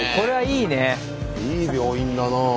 いい病院だなぁ。